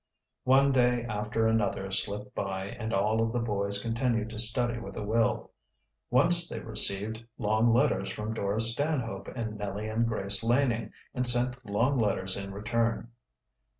One day after another slipped by and all of the boys continued to study with a will. Once they received long letters from Dora Stanhope and Nellie and Grace Laning, and sent long letters in return.